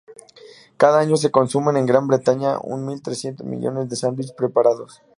Cada año se consumen en Gran Bretaña unos mil trescientos millones de sándwiches preparados.